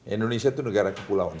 indonesia itu negara kepulauan